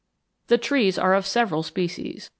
The trees are of several species.